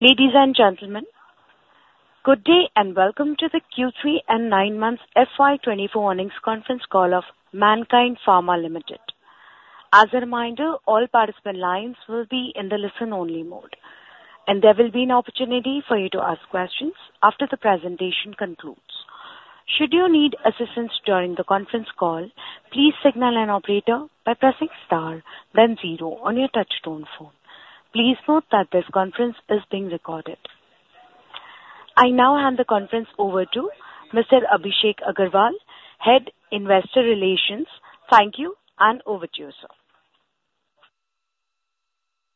Ladies and gentlemen, good day, and welcome to the Q3 and 9 months FY 2024 earnings conference call of Mankind Pharma Limited. As a reminder, all participant lines will be in the listen-only mode, and there will be an opportunity for you to ask questions after the presentation concludes. Should you need assistance during the conference call, please signal an operator by pressing star, then zero on your touchtone phone. Please note that this conference is being recorded. I now hand the conference over to Mr. Abhishek Agarwal, Head, Investor Relations. Thank you, and over to you, sir.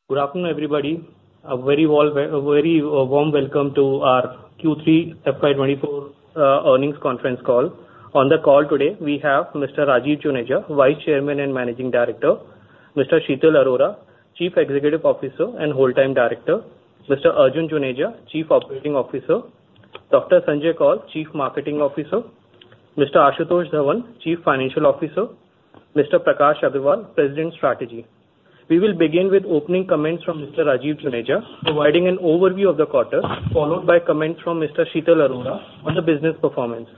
Good afternoon, everybody. A very well, very warm welcome to our Q3 FY24 earnings conference call. On the call today, we have Mr. Rajeev Juneja, Vice Chairman and Managing Director; Mr. Sheetal Arora, Chief Executive Officer and Whole-Time Director; Mr. Arjun Juneja, Chief Operating Officer; Dr. Sanjay Koul, Chief Marketing Officer; Mr. Ashutosh Dhawan, Chief Financial Officer; Mr. Prakash Agarwal, President, Strategy. We will begin with opening comments from Mr. Rajeev Juneja, providing an overview of the quarter, followed by comments from Mr. Sheetal Arora on the business performance.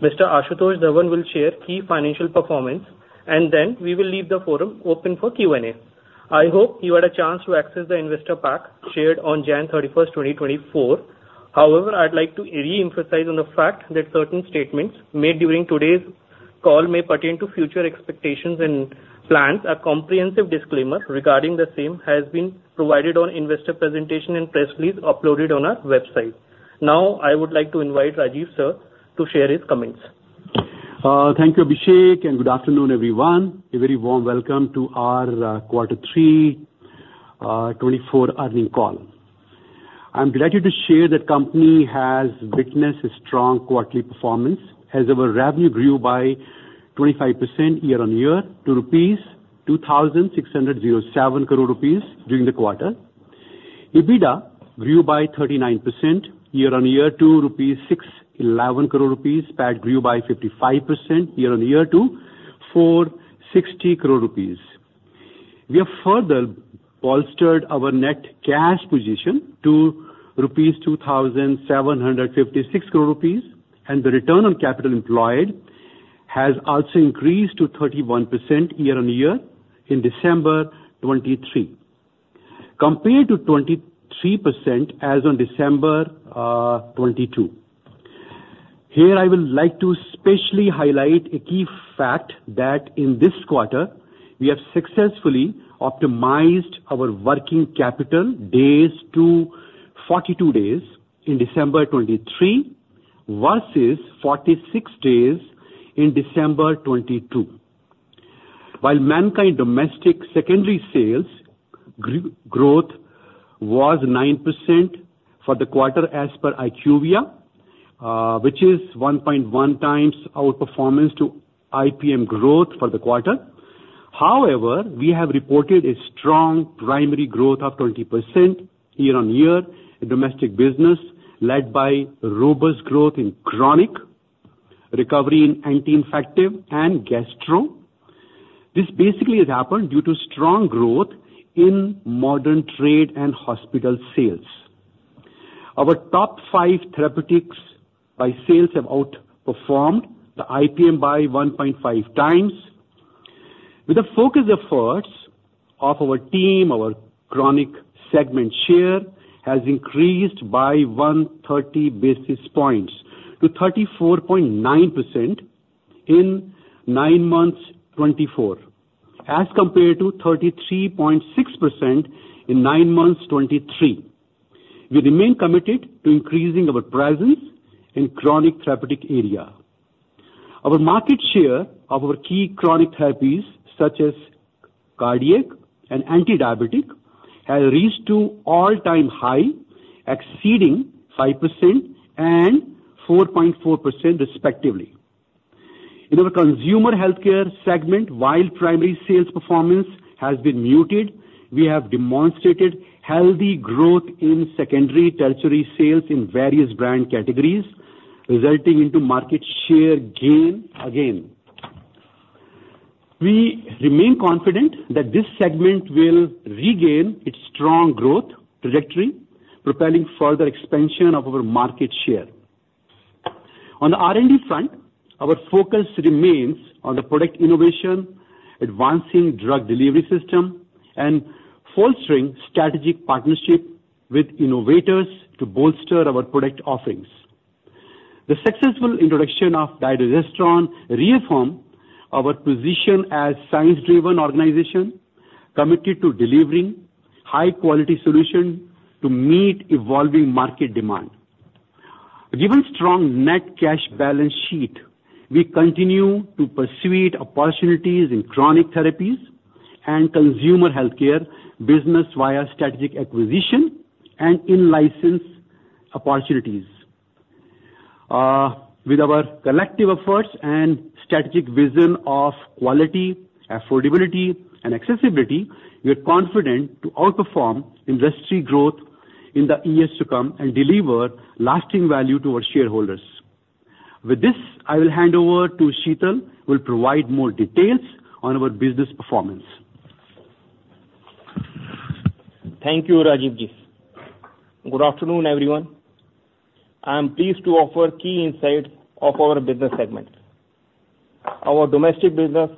Mr. Ashutosh Dhawan will share key financial performance, and then we will leave the forum open for Q&A. I hope you had a chance to access the investor pack shared on January 31, 2024. However, I'd like to re-emphasize on the fact that certain statements made during today's call may pertain to future expectations and plans. A comprehensive disclaimer regarding the same has been provided on investor presentation and press release uploaded on our website. Now, I would like to invite Rajeev, sir, to share his comments. Thank you, Abhishek, and good afternoon, everyone. A very warm welcome to our quarter three 2024 earnings call. I'm delighted to share that company has witnessed a strong quarterly performance, as our revenue grew by 25% year-over-year to 2,607 crore rupees during the quarter. EBITDA grew by 39% year-over-year to 611 crore rupees, PAT grew by 55% year-over-year to 460 crore rupees. We have further bolstered our net cash position to 2,756 crore rupees, and the return on capital employed has also increased to 31% year-over-year in December 2023, compared to 23% as on December 2022. Here, I would like to specially highlight a key fact that in this quarter we have successfully optimized our working capital days to 42 days in December 2023, versus 46 days in December 2022. While Mankind domestic secondary sales growth was 9% for the quarter as per IQVIA, which is 1.1 times our performance to IPM growth for the quarter. However, we have reported a strong primary growth of 20% year-on-year in domestic business, led by robust growth in chronic, recovery in anti-infective and gastro. This basically has happened due to strong growth in modern trade and hospital sales. Our top five therapeutics by sales have outperformed the IPM by 1.5 times. With the focus efforts of our team, our chronic segment share has increased by 130 basis points to 34.9% in nine months 2024, as compared to 33.6% in nine months 2023. We remain committed to increasing our presence in chronic therapeutic area. Our market share of our key chronic therapies, such as cardiac and antidiabetic, has reached to all-time high, exceeding 5% and 4.4%, respectively. In our consumer healthcare segment, while primary sales performance has been muted, we have demonstrated healthy growth in secondary tertiary sales in various brand categories, resulting into market share gain again. We remain confident that this segment will regain its strong growth trajectory, propelling further expansion of our market share. On the R&D front, our focus remains on the product innovation, advancing drug delivery system, and fostering strategic partnership with innovators to bolster our product offerings. The successful introduction of Dydroboon reaffirmed our position as science-driven organization, committed to delivering high-quality solution to meet evolving market demand. Given strong net cash balance sheet, we continue to pursue opportunities in chronic therapies and consumer healthcare business via strategic acquisition and in-license opportunities. With our collective efforts and strategic vision of quality, affordability, and accessibility, we are confident to outperform industry growth in the years to come and deliver lasting value to our shareholders. With this, I will hand over to Sheetal, who will provide more details on our business performance. Thank you, Rajeevji. Good afternoon, everyone. I am pleased to offer key insight of our business segments. Our domestic business,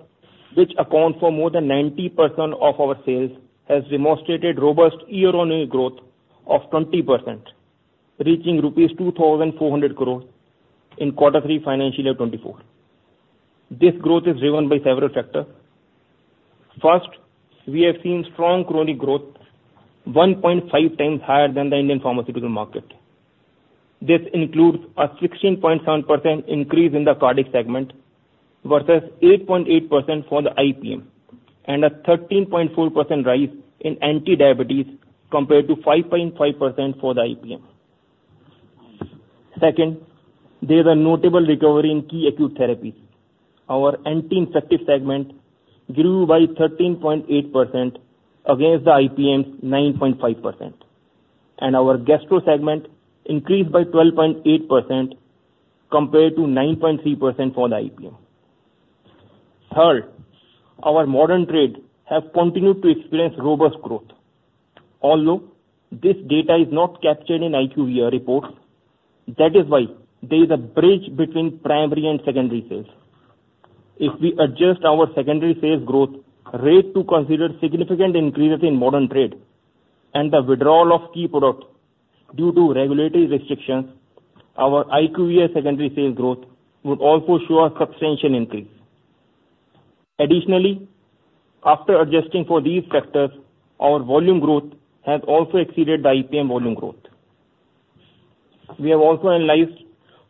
which account for more than 90% of our sales, has demonstrated robust year-on-year growth of 20%, reaching 2,400 crore rupees in quarter 3, financial year 2024. This growth is driven by several factors. First, we have seen strong chronic growth, 1.5 times higher than the Indian pharmaceutical market. This includes a 16.7% increase in the cardiac segment, versus 8.8% for the IPM, and a 13.4% rise in anti-diabetes, compared to 5.5% for the IPM. Second, there is a notable recovery in key acute therapies. Our anti-infective segment grew by 13.8% against the IPM's 9.5%, and our gastro segment increased by 12.8% compared to 9.3% for the IPM. Third, our modern trade has continued to experience robust growth. Although this data is not captured in IQVIA reports, that is why there is a bridge between primary and secondary sales. If we adjust our secondary sales growth rate to consider significant increases in modern trade and the withdrawal of key products due to regulatory restrictions, our IQVIA secondary sales growth would also show a substantial increase. Additionally, after adjusting for these factors, our volume growth has also exceeded the IPM volume growth. We have also analyzed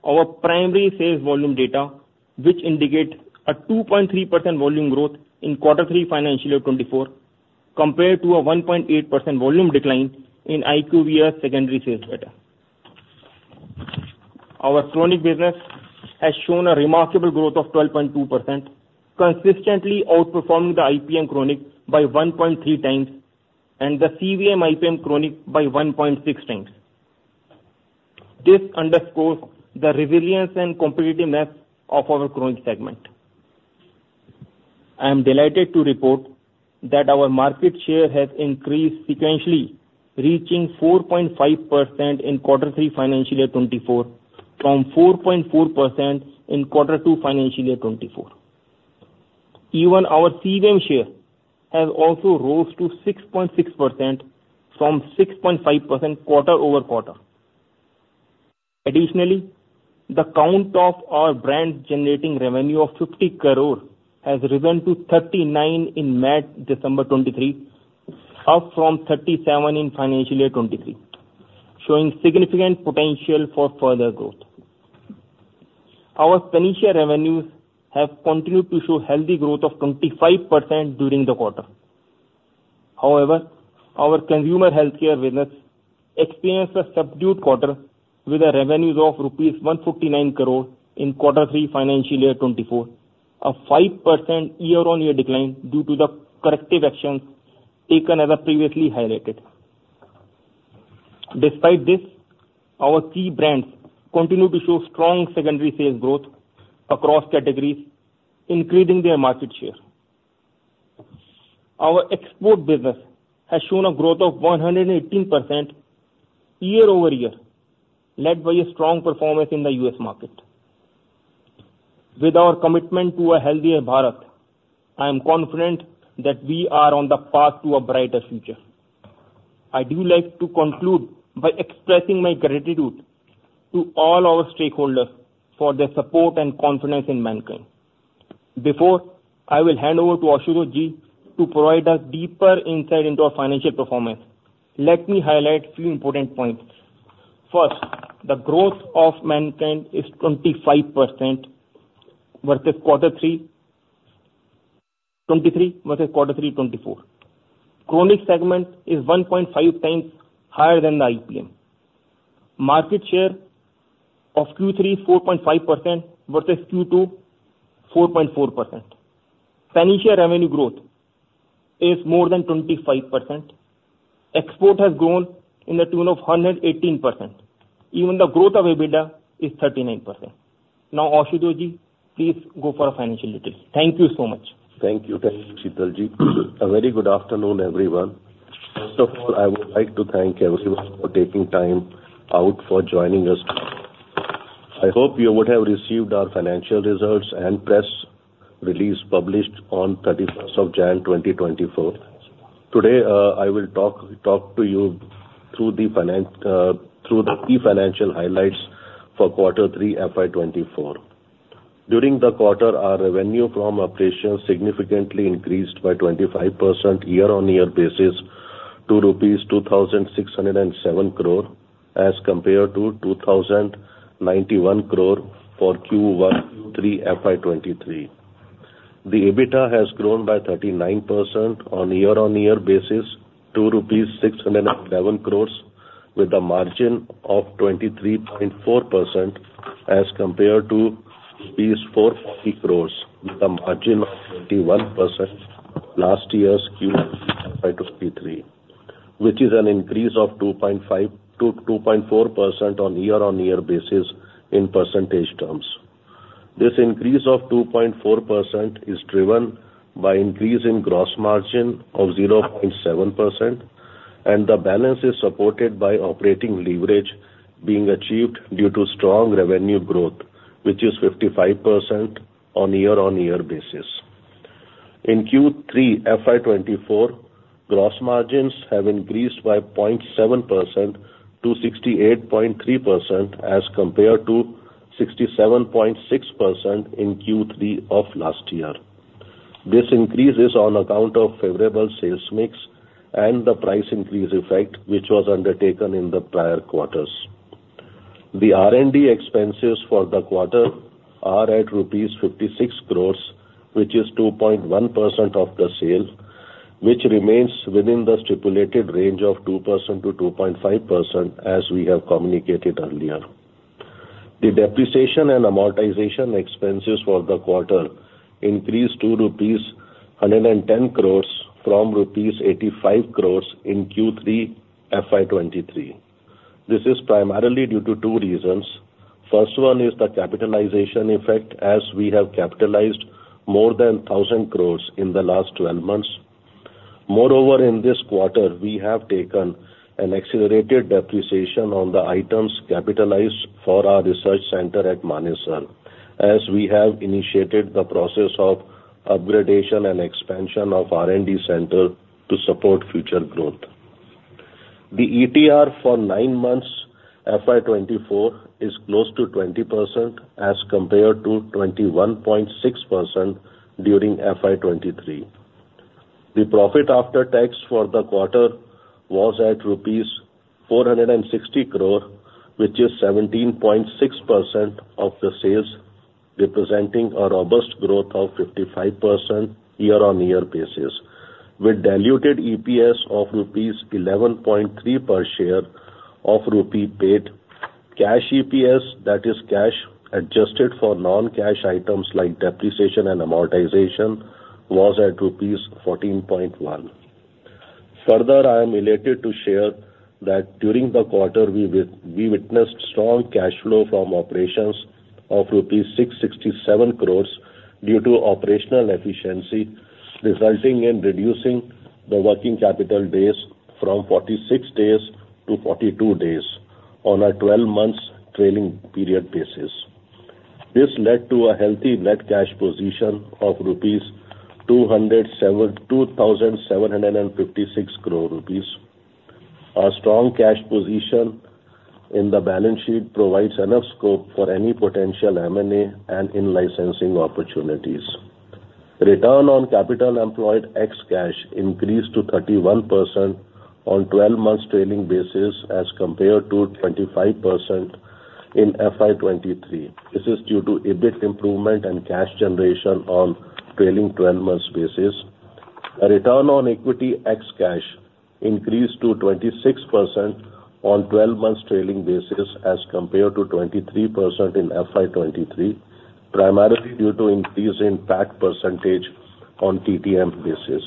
our primary sales volume data, which indicates a 2.3% volume growth in quarter three, financial year 2024, compared to a 1.8% volume decline in IQVIA secondary sales data. Our chronic business has shown a remarkable growth of 12.2%, consistently outperforming the IPM chronic by 1.3 times, and the CVM IPM chronic by 1.6 times. This underscores the resilience and competitiveness of our chronic segment. I am delighted to report that our market share has increased sequentially, reaching 4.5% in quarter three, financial year 2024, from 4.4% in quarter two, financial year 2024. Even our CVM share has also rose to 6.6% from 6.5% quarter-over-quarter. Additionally, the count of our brands generating revenue of 50 crore has risen to 39 in mid-December 2023, up from 37 in financial year 2023, showing significant potential for further growth. Our Spanish revenues have continued to show healthy growth of 25% during the quarter. However, our consumer healthcare business experienced a subdued quarter with the revenues of rupees 159 crore in quarter three, financial year 2024, a 5% year-on-year decline due to the corrective actions taken, as I previously highlighted. Despite this, our key brands continue to show strong secondary sales growth across categories, increasing their market share. Our export business has shown a growth of 118% year-over-year, led by a strong performance in the US market. With our commitment to a healthier Bharat, I am confident that we are on the path to a brighter future. I'd like to conclude by expressing my gratitude to all our stakeholders for their support and confidence in Mankind. Before I will hand over to Ashutoshji to provide us deeper insight into our financial performance, let me highlight a few important points. First, the growth of Mankind is 25% versus quarter three, 2023 versus quarter three, 2024. Chronic segment is 1.5 times higher than the IPM. Market share of Q3 is 4.5% versus Q2, 4.4%. Financial revenue growth is more than 25%. Export has grown in the tune of 118%. Even the growth of EBITDA is 39%. Now, Ashutoshji, please go for our financial details. Thank you so much. Thank you, Sheetalji. A very good afternoon, everyone. First of all, I would like to thank everyone for taking time out for joining us today. I hope you would have received our financial results and press release published on thirty-first of January 2024. Today, I will talk to you through the key financial highlights for quarter three, FY 24. During the quarter, our revenue from operations significantly increased by 25% year-on-year basis to rupees 2,607 crore, as compared to 2,091 crore for Q3 FY 23. The EBITDA has grown by 39% on year-on-year basis to rupees 611 crore, with a margin of 23.4%, as compared to INR 400 crore, with a margin of 21% last year's Q3 FY 23. which is an increase of 2.5%-2.4% on year-on-year basis in percentage terms. This increase of 2.4% is driven by increase in gross margin of 0.7%, and the balance is supported by operating leverage being achieved due to strong revenue growth, which is 55% on year-on-year basis. In Q3, FY 2024, gross margins have increased by 0.7% to 68.3%, as compared to 67.6% in Q3 of last year. This increase is on account of favorable sales mix and the price increase effect, which was undertaken in the prior quarters. The R&D expenses for the quarter are at rupees 56 crore, which is 2.1% of the sales, which remains within the stipulated range of 2%-2.5%, as we have communicated earlier. The depreciation and amortization expenses for the quarter increased to rupees 110 crore from rupees 85 crore in Q3, FY 2023. This is primarily due to two reasons: First one is the capitalization effect, as we have capitalized more than 1,000 crore in the last twelve months. Moreover, in this quarter, we have taken an accelerated depreciation on the items capitalized for our research center at Manesar, as we have initiated the process of upgradation and expansion of R&D center to support future growth. The ETR for nine months, FY 2024, is close to 20% as compared to 21.6% during FY 2023. The profit after tax for the quarter was at rupees 460 crore, which is 17.6% of the sales, representing a robust growth of 55% year-on-year basis, with diluted EPS of rupees 11.3 per share of Re 1 paid. Cash EPS, that is, cash adjusted for non-cash items like depreciation and amortization, was at rupees 14.1. Further, I am elated to share that during the quarter, we we witnessed strong cash flow from operations of rupees 667 crore due to operational efficiency, resulting in reducing the working capital days from 46 days to 42 days on a 12-month trailing period basis. This led to a healthy net cash position of 2,756 crore rupees. Our strong cash position in the balance sheet provides enough scope for any potential M&A and in-licensing opportunities. Return on capital employed ex cash increased to 31% on twelve months trailing basis, as compared to 25% in FY 2023. This is due to EBIT improvement and cash generation on trailing twelve months basis. A return on equity ex cash increased to 26% on twelve months trailing basis, as compared to 23% in FY 2023, primarily due to increase in PAT percentage on TTM basis.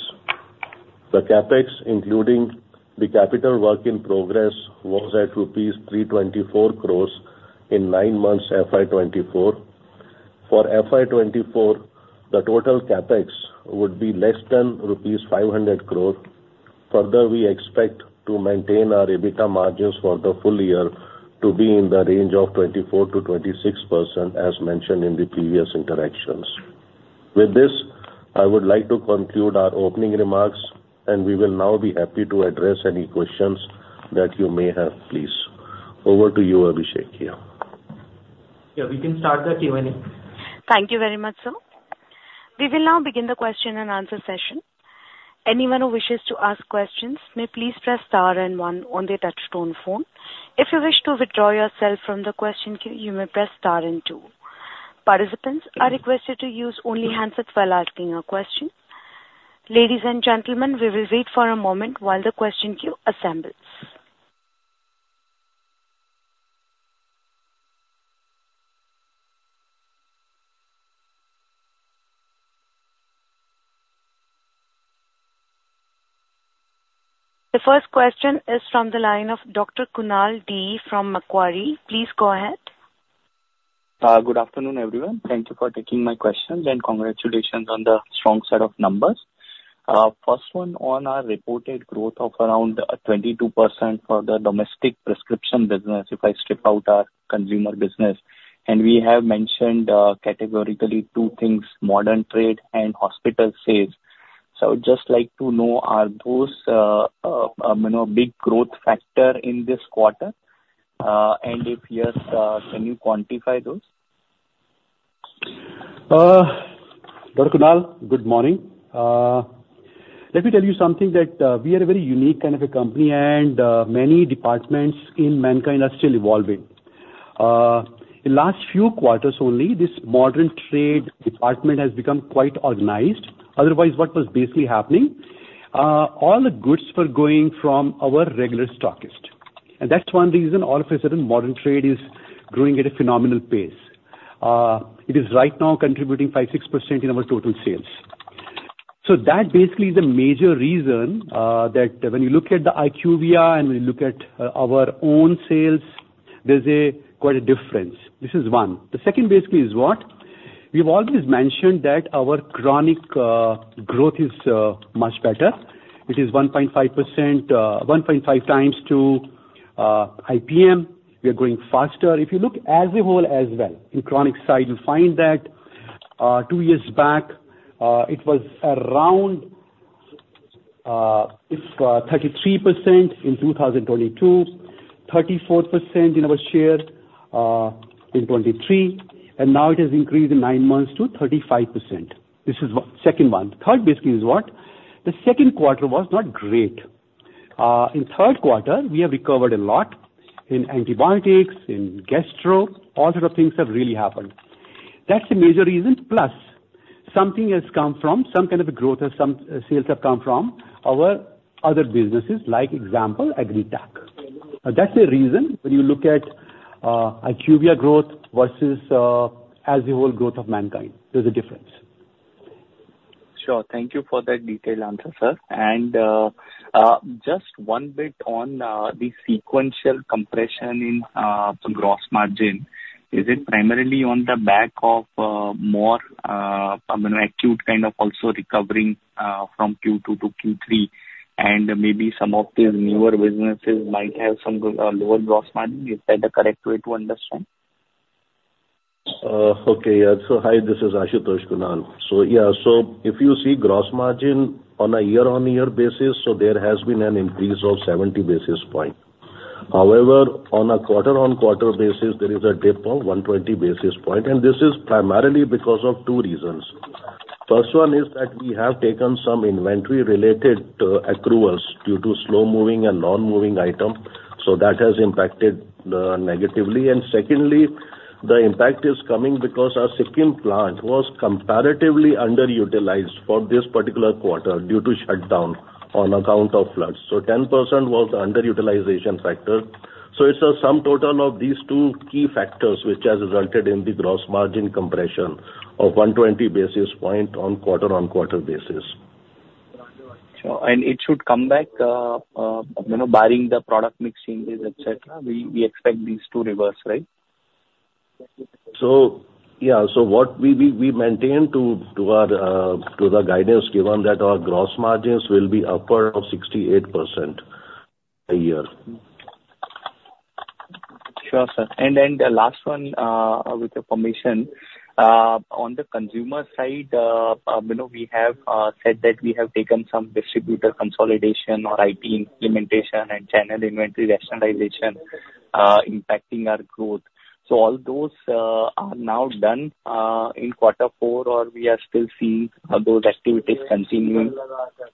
The CapEx, including the capital work in progress, was at rupees 324 crore in nine months, FY 2024. For FY 2024, the total CapEx would be less than rupees 500 crore. Further, we expect to maintain our EBITDA margins for the full year to be in the range of 24%-26%, as mentioned in the previous interactions. With this, I would like to conclude our opening remarks, and we will now be happy to address any questions that you may have, please. Over to you, Abhishek, here. Yeah, we can start the Q&A. Thank you very much, sir. We will now begin the question and answer session. Anyone who wishes to ask questions may please press star and one on their touchtone phone. If you wish to withdraw yourself from the question queue, you may press star and two. Participants are requested to use only handsets while asking a question. Ladies and gentlemen, we will wait for a moment while the question queue assembles. The first question is from the line of Dr. Kunal Dee from Macquarie. Please go ahead. Good afternoon, everyone. Thank you for taking my questions, and congratulations on the strong set of numbers. First one, on our reported growth of around 22% for the domestic prescription business, if I strip out our consumer business, and we have mentioned categorically two things: modern trade and hospital sales. So I would just like to know, are those, you know, big growth factor in this quarter? And if yes, can you quantify those? Dr. Kunal, good morning. Let me tell you something, that, we are a very unique kind of a company, and, many departments in Mankind are still evolving. In last few quarters only, this modern trade department has become quite organized. Otherwise, what was basically happening, all the goods were going from our regular stockist, and that's one reason all of a sudden, modern trade is growing at a phenomenal pace.... it is right now contributing 5-6% in our total sales. So that basically is the major reason that when you look at the IQVIA and we look at our own sales, there's quite a difference. This is one. The second basically is what? We've always mentioned that our chronic growth is much better. It is 1.5%, 1.5 times to IPM. We are growing faster. If you look as a whole as well, in chronic side, you'll find that two years back it was around 33% in 2022, 34% in our shares in 2023, and now it has increased in nine months to 35%. This is what? Second one. Third basically is what, the second quarter was not great. In third quarter, we have recovered a lot in antibiotics, in gastro, all sort of things have really happened. That's the major reason, plus something has come from some kind of a growth or some sales have come from our other businesses, like example, Agritech. That's the reason when you look at IQVIA growth versus as a whole growth of Mankind, there's a difference. Sure. Thank you for that detailed answer, sir. Just one bit on the sequential compression in gross margin. Is it primarily on the back of more, I mean, acute kind of also recovering from Q2 to Q3, and maybe some of the newer businesses might have some lower gross margin? Is that the correct way to understand? Okay, yeah. So hi, this is Ashutosh Dhawan. So yeah, so if you see gross margin on a year-on-year basis, so there has been an increase of 70 basis point. However, on a quarter-on-quarter basis, there is a dip of 120 basis point, and this is primarily because of two reasons. First one is that we have taken some inventory-related accruals due to slow-moving and non-moving item, so that has impacted negatively. And secondly, the impact is coming because our Sikkim plant was comparatively underutilized for this particular quarter due to shutdown on account of floods. So 10% was underutilization factor. So it's a sum total of these two key factors which has resulted in the gross margin compression of 120 basis point on quarter-on-quarter basis. Sure. It should come back, you know, barring the product mix changes, et cetera, we expect these to reverse, right? Yeah, so what we maintain to the guidance given, that our gross margins will be upward of 68% a year. Sure, sir. And the last one, with your permission, on the consumer side, you know, we have said that we have taken some distributor consolidation or IT implementation and channel inventory rationalization, impacting our growth. So all those are now done in quarter four, or we are still seeing those activities continuing? See,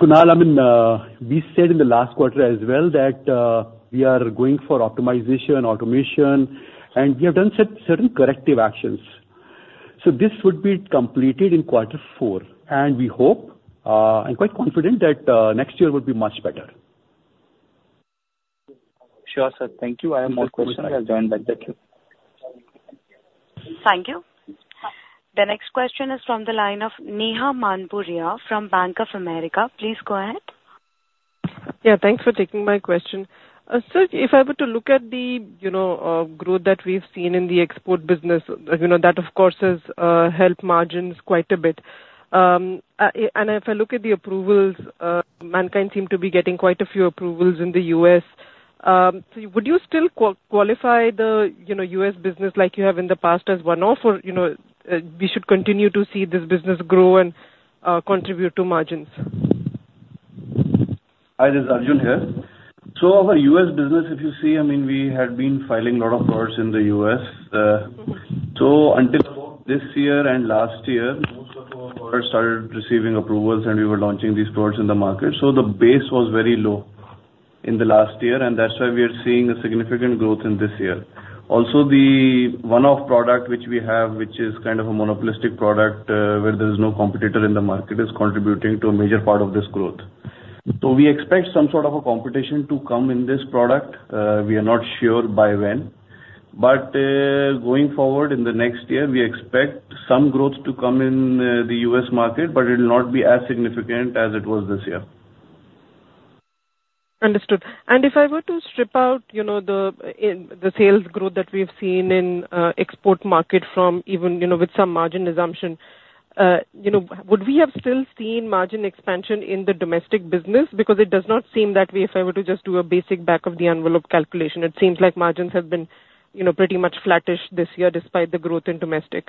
Kunal, I mean, we said in the last quarter as well, that we are going for optimization, automation, and we have done certain, certain corrective actions. So this would be completed in quarter four, and we hope, and quite confident that next year will be much better. Sure, sir. Thank you. I have more questions. I'll join back. Thank you. Thank you. The next question is from the line of Neha Manpuria from Bank of America. Please go ahead. Yeah, thanks for taking my question. Sir, if I were to look at the, you know, growth that we've seen in the export business, you know, that of course has helped margins quite a bit. And if I look at the approvals, Mankind seem to be getting quite a few approvals in the US. So would you still qualify the, you know, US business like you have in the past as one-off, or, you know, we should continue to see this business grow and contribute to margins? Hi, this is Arjun here. So our U.S. business, if you see, I mean, we had been filing a lot of products in the U.S. So until this year and last year, most of our products started receiving approvals, and we were launching these products in the market. So the base was very low in the last year, and that's why we are seeing a significant growth in this year. Also, the one-off product which we have, which is kind of a monopolistic product, where there is no competitor in the market, is contributing to a major part of this growth. So we expect some sort of a competition to come in this product. We are not sure by when, but going forward in the next year, we expect some growth to come in the U.S. market, but it will not be as significant as it was this year. Understood. If I were to strip out, you know, the sales growth that we've seen in export market from even, you know, with some margin assumption, you know, would we have still seen margin expansion in the domestic business? Because it does not seem that way if I were to just do a basic back-of-the-envelope calculation. It seems like margins have been, you know, pretty much flattish this year, despite the growth in domestic.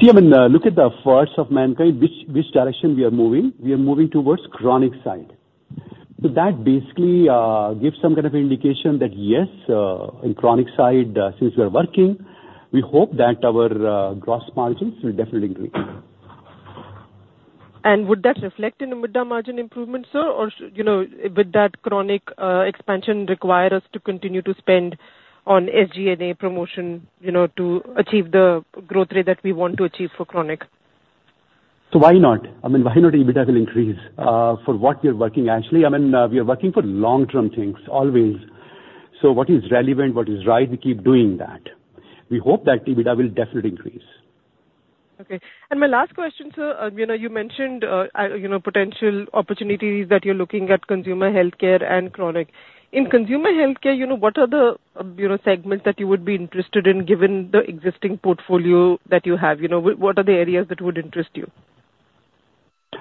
See, I mean, look at the efforts of Mankind, which direction we are moving? We are moving towards chronic side. So that basically gives some kind of indication that yes, in chronic side, since we are working, we hope that our gross margins will definitely increase. Would that reflect in EBITDA margin improvement, sir? Or you know, would that chronic expansion require us to continue to spend on SG&A promotion, you know, to achieve the growth rate that we want to achieve for chronic?... So why not? I mean, why not EBITDA will increase, for what we are working actually, I mean, we are working for long-term things always. So what is relevant, what is right, we keep doing that. We hope that EBITDA will definitely increase. Okay. My last question, sir, you know, you mentioned, you know, potential opportunities that you're looking at consumer healthcare and chronic. In consumer healthcare, you know, what are the, you know, segments that you would be interested in, given the existing portfolio that you have? You know, what are the areas that would interest you?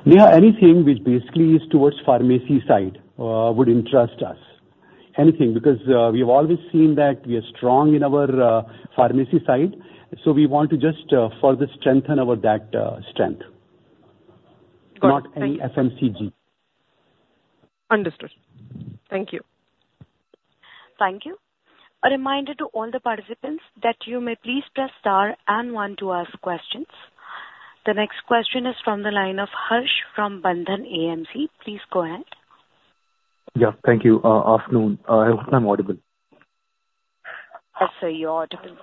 Yeah, anything which basically is towards pharmacy side, would interest us. Anything, because, we have always seen that we are strong in our, pharmacy side, so we want to just, further strengthen over that, strength. Got it. Not any FMCG. Understood. Thank you. Thank you. A reminder to all the participants that you may please press star and one to ask questions. The next question is from the line of Harsh from Bandhan AMC. Please go ahead. Yeah. Thank you. Afternoon. I hope I'm audible. Yes, sir, you're audible.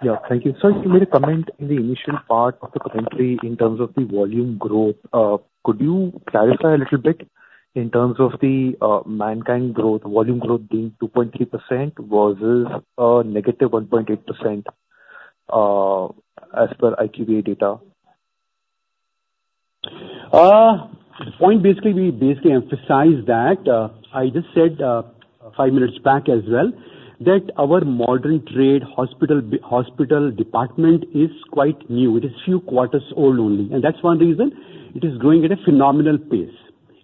Yeah. Thank you. So you made a comment in the initial part of the country in terms of the volume growth. Could you clarify a little bit in terms of the Mankind growth, volume growth being 2.3% versus negative 1.8%, as per IQVIA data? The point basically, we basically emphasize that, I just said, five minutes back as well, that our modern trade hospital department is quite new. It is few quarters old only, and that's one reason it is growing at a phenomenal pace.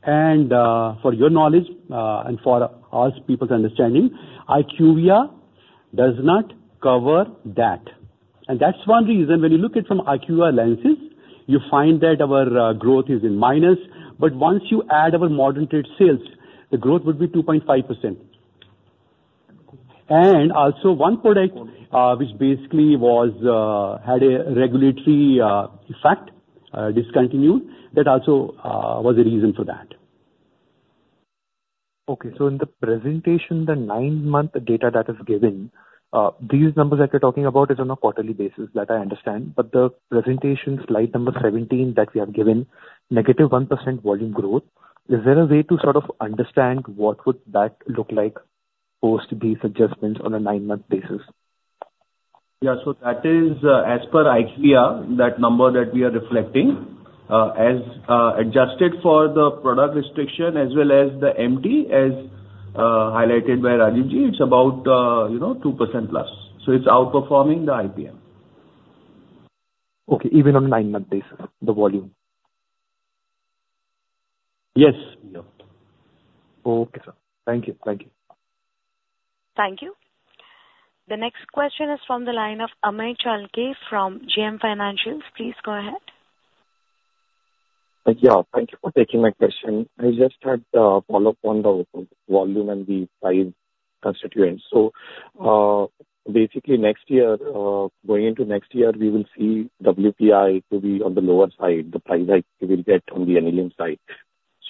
And, for your knowledge, and for us, people's understanding, IQVIA does not cover that. And that's one reason when you look it from IQVIA lenses, you find that our growth is in minus, but once you add our modern trade sales, the growth would be 2.5%. And also one product, which basically had a regulatory fact discontinued, that also was a reason for that. Okay, so in the presentation, the nine-month data that is given, these numbers that you're talking about is on a quarterly basis, that I understand, but the presentation, slide number 17, that we have given negative 1% volume growth. Is there a way to sort of understand what would that look like post these adjustments on a nine-month basis? Yeah, so that is, as per IQVIA, that number that we are reflecting, as adjusted for the product restriction as well as the MT, as highlighted by Rajeevji, it's about, you know, 2%+. So it's outperforming the IPM. Okay, even on 9-month basis, the volume? Yes, yeah. Okay, sir. Thank you. Thank you. Thank you. The next question is from the line of Amey Chalke from JM Financial. Please go ahead. Yeah, thank you for taking my question. I just had a follow-up on the volume and the price constituents. So, basically next year, going into next year, we will see WPI to be on the lower side, the price hike we will get on the NLEM side.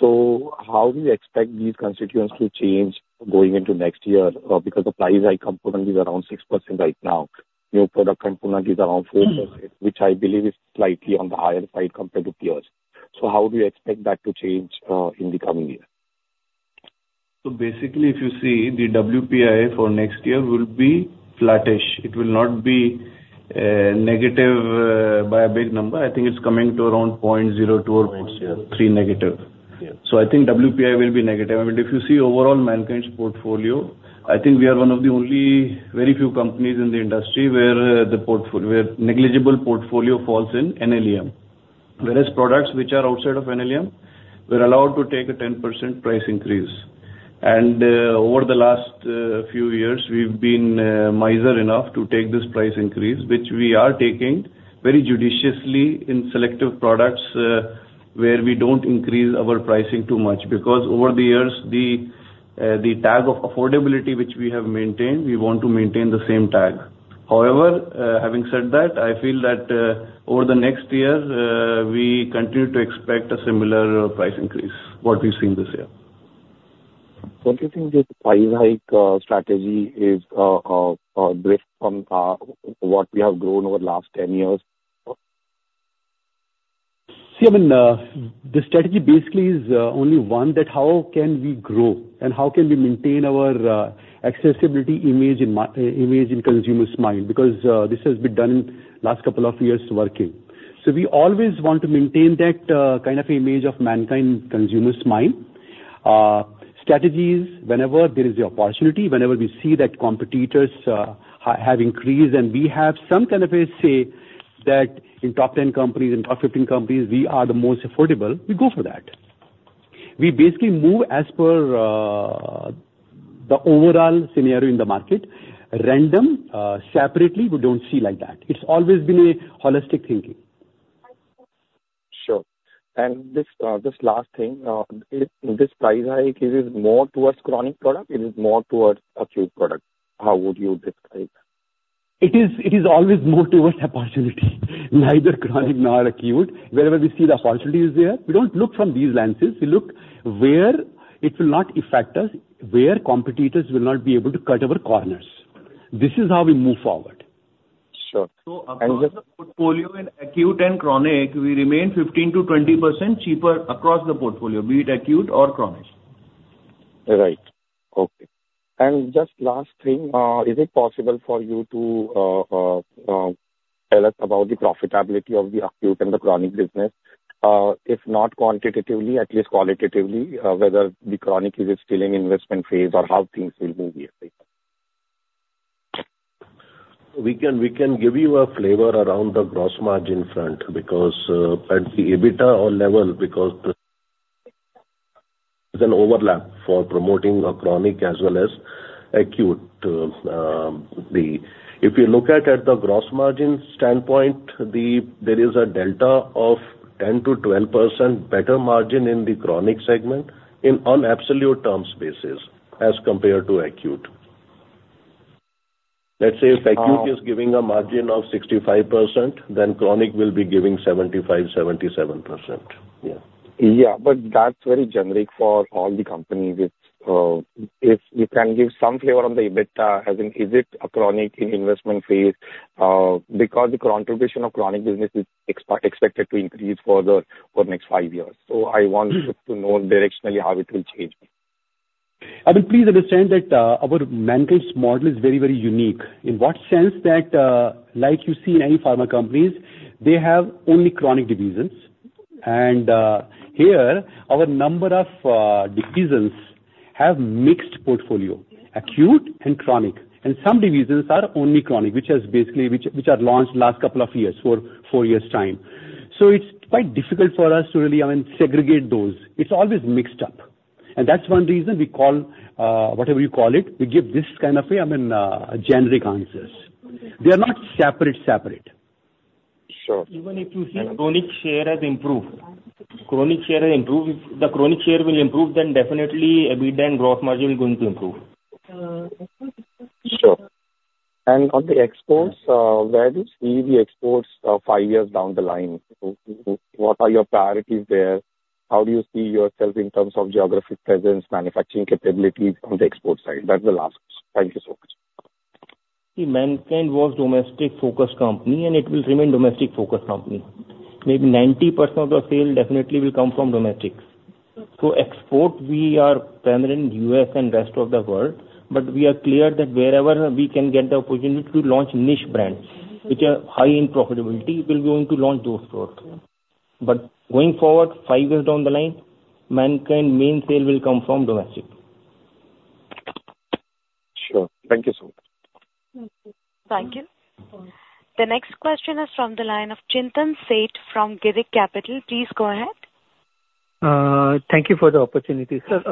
So how do you expect these constituents to change going into next year? Because the price hike component is around 6% right now. New product component is around 4%- Mm-hmm. - which I believe is slightly on the higher side compared to peers. So how do you expect that to change, in the coming year? So basically, if you see, the WPI for next year will be flattish. It will not be negative by a big number. I think it's coming to around -0.02 or -0.3. Yeah. So I think WPI will be negative. I mean, if you see overall Mankind's portfolio, I think we are one of the only very few companies in the industry where negligible portfolio falls in NLEM. Whereas products which are outside of NLEM, we're allowed to take a 10% price increase. And over the last few years, we've been miser enough to take this price increase, which we are taking very judiciously in selective products where we don't increase our pricing too much. Because over the years, the tag of affordability which we have maintained, we want to maintain the same tag. However, having said that, I feel that over the next year, we continue to expect a similar price increase, what we've seen this year. Don't you think this price hike strategy is based on what we have grown over the last 10 years? See, I mean, the strategy basically is only one, that how can we grow and how can we maintain our accessibility image in image in consumer's mind? Because this has been done last couple of years working. So we always want to maintain that kind of image of Mankind in consumer's mind. Strategies, whenever there is the opportunity, whenever we see that competitors have increased and we have some kind of a say that in top 10 companies, in top 15 companies, we are the most affordable, we go for that. We basically move as per the overall scenario in the market. Random, separately, we don't see like that. It's always been a holistic thinking. Sure. And this last thing, this price hike, is it more towards chronic product? It is more towards acute product. How would you describe? It is always more towards opportunity, neither chronic nor acute. Wherever we see the opportunity is there, we don't look from these lenses, we look where it will not affect us, where competitors will not be able to cut our corners.... This is how we move forward. Sure. Across the portfolio in acute and chronic, we remain 15%-20% cheaper across the portfolio, be it acute or chronic. Right. Okay. And just last thing, is it possible for you to tell us about the profitability of the acute and the chronic business? If not quantitatively, at least qualitatively, whether the chronic is still in investment phase or how things will move here? We can, we can give you a flavor around the gross margin front, because at the EBITDA or level, because there's an overlap for promoting a chronic as well as acute. If you look at, at the gross margin standpoint, the, there is a delta of 10%-12% better margin in the chronic segment, in on absolute terms basis, as compared to acute. Let's say if acute- Uh. - is giving a margin of 65%, then chronic will be giving 75%-77%. Yeah. Yeah, but that's very generic for all the companies. It's if you can give some flavor on the EBITDA, as in, is it a chronic investment phase? Because the contribution of chronic business is expected to increase further for next five years. So I want to know directionally how it will change. I mean, please understand that, our Mankind's model is very, very unique. In what sense? That, like you see any pharma companies, they have only chronic divisions. And here, our number of divisions have mixed portfolio, acute and chronic, and some divisions are only chronic, which is basically, which are launched last couple of years, four years' time. So it's quite difficult for us to really, I mean, segregate those. It's always mixed up. And that's one reason we call, whatever you call it, we give this kind of a, I mean, generic answers. They are not separate. Sure. Even if you see, chronic share has improved. Chronic share has improved. If the chronic share will improve, then definitely, EBITDA and growth margin is going to improve. Sure. And on the exports, where do you see the exports, five years down the line? What are your priorities there? How do you see yourself in terms of geographic presence, manufacturing capabilities on the export side? That's the last. Thank you so much. The Mankind was domestic-focused company, and it will remain domestic-focused company. Maybe 90% of the sale definitely will come from domestic. So export, we are prominent in U.S. and rest of the world, but we are clear that wherever we can get the opportunity to launch niche brands, which are high in profitability, we'll be going to launch those products. But going forward, five years down the line, Mankind main sale will come from domestic. Sure. Thank you so much. Thank you. The next question is from the line of Chintan Sheth from Girik Capital. Please go ahead. Thank you for the opportunity. Sir,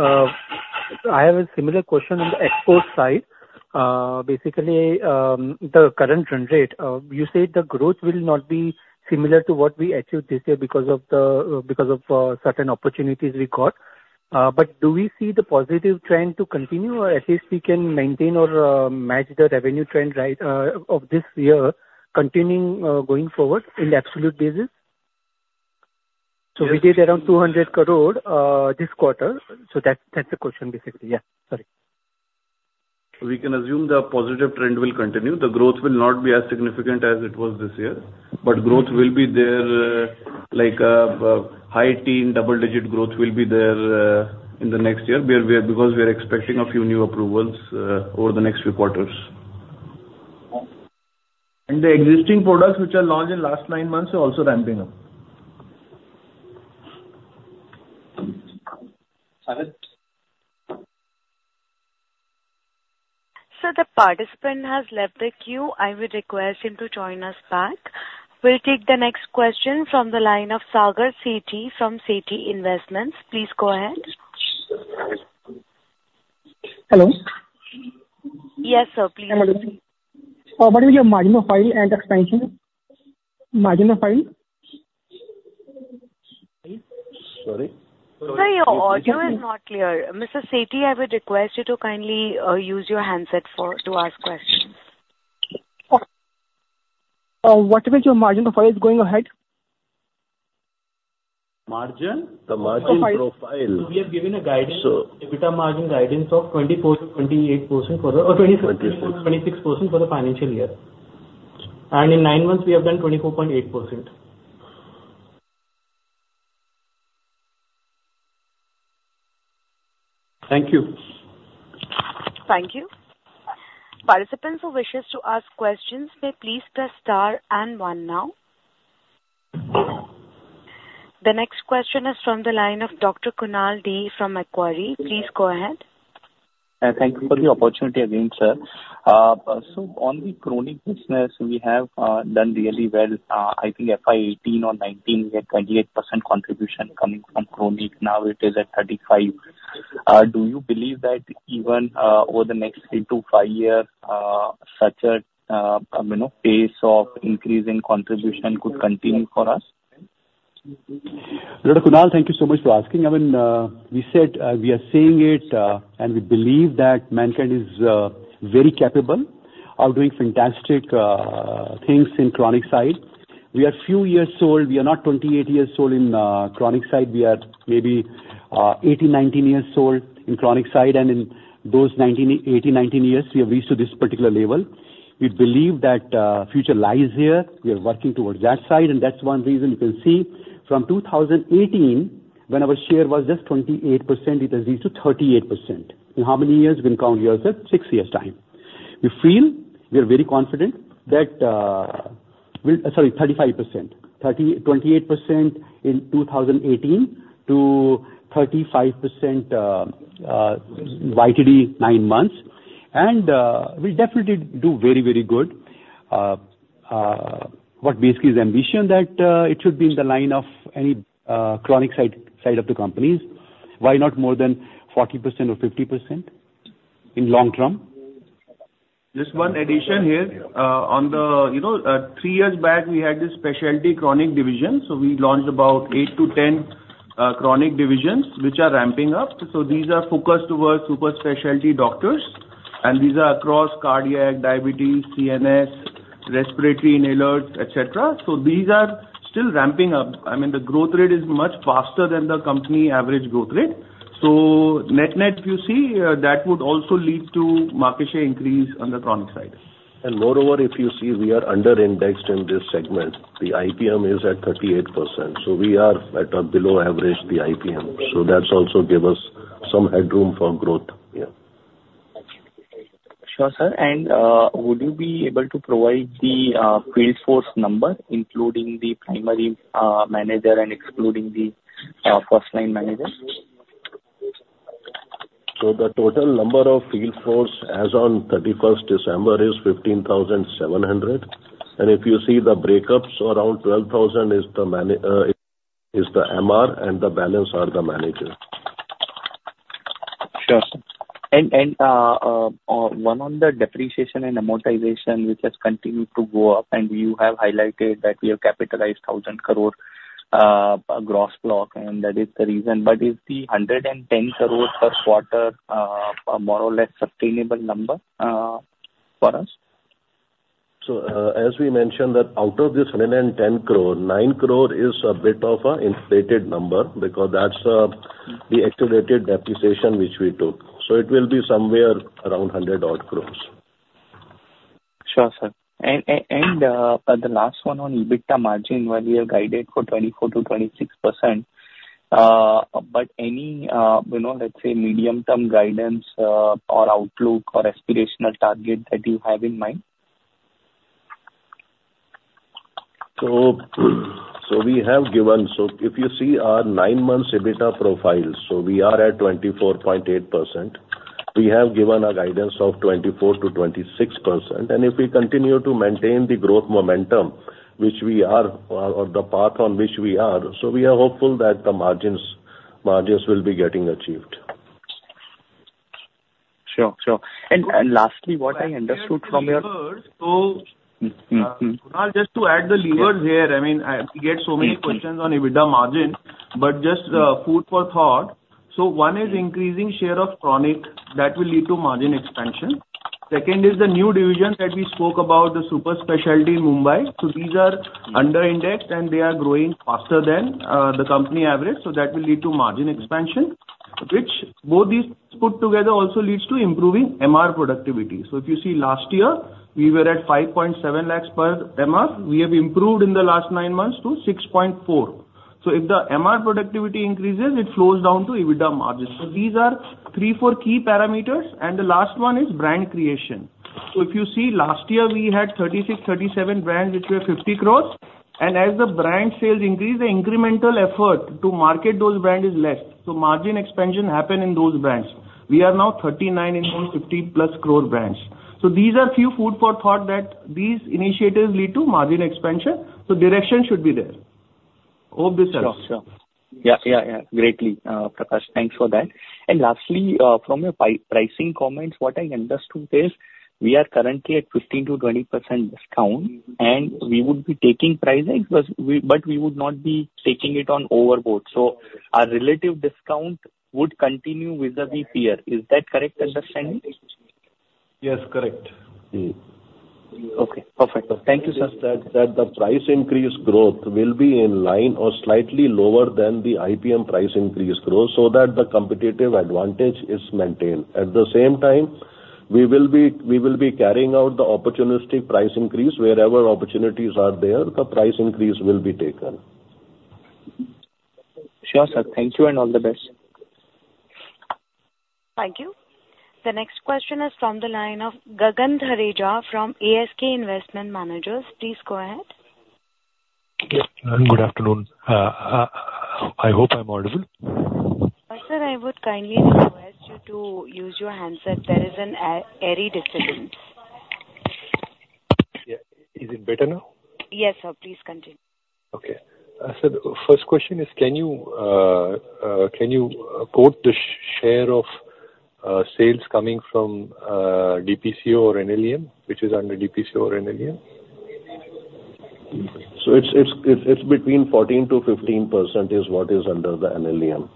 I have a similar question on the export side. Basically, the current trend rate, you said the growth will not be similar to what we achieved this year because of the, because of certain opportunities we got. But do we see the positive trend to continue, or at least we can maintain or match the revenue trend, right, of this year continuing going forward in the absolute basis? So we did around 200 crore this quarter. So that's, that's the question, basically. Yeah. Sorry. We can assume the positive trend will continue. The growth will not be as significant as it was this year, but growth will be there, like, high teen, double-digit growth will be there, in the next year. Because we are expecting a few new approvals over the next few quarters. The existing products, which are launched in last nine months, are also ramping up. Sir, the participant has left the queue. I would request him to join us back. We'll take the next question from the line of Sagar Sethi from Sethi Investments. Please go ahead. Hello? Yes, sir, please. What will be your margin of profit and expansion? Margin of profit? Sorry. Sir, your audio is not clear. Mr. Sethi, I would request you to kindly use your handset to ask questions. What about your margin of profit going ahead? Margin? The margin profile. We have given a guidance- Sure. EBITDA margin guidance of 24%-28% for the... Or 26, 26% for the financial year. And in 9 months, we have done 24.8%. Thank you. Thank you. Participants who wish to ask questions may please press star and one now. The next question is from the line of Dr. Kunal Dee from Macquarie. Please go ahead. Thank you for the opportunity again, sir. So on the chronic business, we have done really well. I think FY 2018 or 2019, we had 28% contribution coming from chronic, now it is at 35. Do you believe that even over the next 3-5 years, such a, you know, pace of increase in contribution could continue for us? Dr. Kunal, thank you so much for asking. I mean, we said, we are seeing it, and we believe that Mankind is very capable of doing fantastic things in chronic side.... We are few years old. We are not 28 years old in chronic side. We are maybe 18, 19 years old in chronic side, and in those 19, 18, 19 years, we have reached to this particular level. We believe that future lies here. We are working towards that side, and that's one reason you can see from 2018, when our share was just 28%, it has reached to 38%. In how many years we can count years? At 6 years' time. We feel we are very confident that we—sorry, 35%. 28% in 2018 to 35% YTD 9 months, and we definitely do very, very good. What basically is ambition that it should be in the line of any chronic side, side of the companies. Why not more than 40% or 50% in long-term? Just one addition here. On the, you know, 3 years back, we had this specialty chronic division, so we launched about 8 to 10 chronic divisions, which are ramping up. So these are focused towards super specialty doctors, and these are across cardiac, diabetes, CNS, respiratory, inhalers, et cetera. So these are still ramping up. I mean, the growth rate is much faster than the company average growth rate. So net, net, you see, that would also lead to market share increase on the chronic side. Moreover, if you see, we are under-indexed in this segment, the IPM is at 38%, so we are at a below average, the IPM. So that's also give us some headroom for growth. Yeah. Sure, sir. And would you be able to provide the field force number, including the primary manager and excluding the first-line managers? So the total number of field force as on 31 December is 15,700, and if you see the breakups, around 12,000 is the MR and the balance are the managers. Sure. And, and, one on the depreciation and amortization, which has continued to go up, and you have highlighted that we have capitalized 1,000 crore gross block, and that is the reason. But is the 110 crore per quarter a more or less sustainable number for us? As we mentioned, that out of this 110 crore, 9 crore is a bit of a inflated number because that's the accelerated depreciation which we took. So it will be somewhere around 100 odd crores. Sure, sir. The last one on EBITDA margin, where you have guided for 24%-26%, but any, you know, let's say, medium-term guidance, or outlook or aspirational target that you have in mind? So we have given. So if you see our nine-month EBITDA profile, so we are at 24.8%. We have given a guidance of 24%-26%, and if we continue to maintain the growth momentum, which we are, or the path on which we are, so we are hopeful that the margins will be getting achieved. Sure, sure. And, and lastly, what I understood from your- So- Mm-hmm, mm-hmm. Now, just to add the levers here, I mean, I get so many questions on EBITDA margin, but just food for thought. So one is increasing share of chronic, that will lead to margin expansion. Second is the new division that we spoke about, the super specialty in Mumbai. So these are under-indexed, and they are growing faster than the company average, so that will lead to margin expansion, which both these put together also leads to improving MR productivity. So if you see last year, we were at 5.7 lakhs per MR. We have improved in the last nine months to 6.4 lakhs. So if the MR productivity increases, it flows down to EBITDA margins. So these are three, four key parameters, and the last one is brand creation. So if you see, last year we had 36, 37 brands which were 50 crore, and as the brand sales increase, the incremental effort to market those brand is less, so margin expansion happen in those brands. We are now 39 in 150+ crore brands. So these are few food for thought that these initiatives lead to margin expansion, so direction should be there. Hope this helps. Sure. Sure. Yeah, yeah, yeah. Greatly, Prakash, thanks for that. And lastly, from a pricing comments, what I understood is we are currently at 15%-20% discount, and we would be taking price hikes, but we would not be taking it on overboat. So our relative discount would continue vis-a-vis peer. Is that correct understanding? Yes, correct. Okay, perfect. Thank you, sir. That the price increase growth will be in line or slightly lower than the IPM price increase growth so that the competitive advantage is maintained. At the same time, we will be carrying out the opportunistic price increase. Wherever opportunities are there, the price increase will be taken. Sure, sir. Thank you, and all the best. Thank you. The next question is from the line of Gagan Thareja from ASK Investment Managers. Please go ahead. Yeah, good afternoon. I hope I'm audible. Sir, I would kindly request you to use your handset. There is an audio discipline. Yeah. Is it better now? Yes, sir. Please continue. Okay. So the first question is, can you quote the share of sales coming from DPCO or NLM, which is under DPCO or NLM? It's between 14%-15% is what is under the NLM....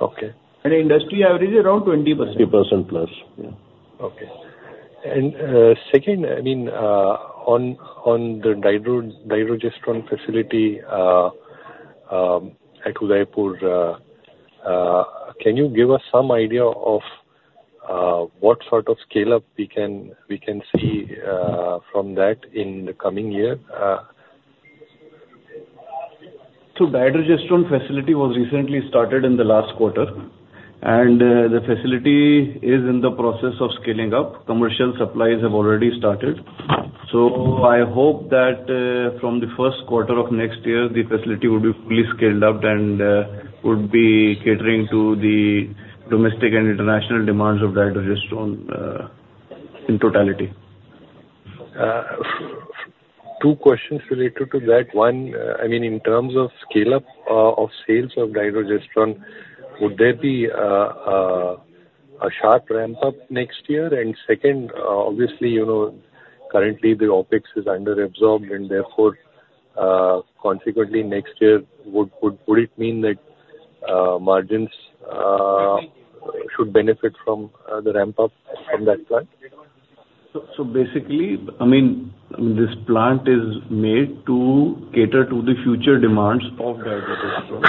Okay. Industry average is around 20%. 20% plus, yeah. Okay. And, second, I mean, on the dydrogesterone facility at Udaipur, can you give us some idea of what sort of scale-up we can see from that in the coming year? So the dydrogesterone facility was recently started in the last quarter, and the facility is in the process of scaling up. Commercial supplies have already started. So I hope that from the first quarter of next year, the facility will be fully scaled up and would be catering to the domestic and international demands of dydrogesterone in totality. Two questions related to that. One, I mean, in terms of scale-up, of sales of dydrogesterone, would there be, a sharp ramp-up next year? And second, obviously, you know, currently the OpEx is under-absorbed, and therefore, consequently, next year, would it mean that, margins should benefit from, the ramp-up from that plant? So, so basically, I mean, this plant is made to cater to the future demands of dydrogesterone.